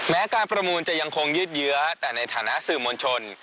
แม้การประมูลจะยังคงยืดเยื้อแต่ในฐานะสื่อมวลชน